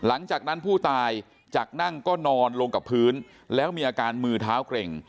หลังงด้านผู้ตายเขาก็นอนกับพื้นแล้วมีอาการมือเท้าเกรง